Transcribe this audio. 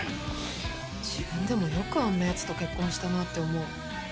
自分でもよくあんな奴と結婚したなって思う。